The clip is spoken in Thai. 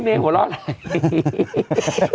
เมย์หัวเราะ